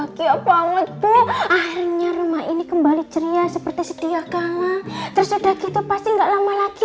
ya kia pamit bu akhirnya rumah ini kembali ceria seperti setiap kala terus udah gitu pasti gak lama lagi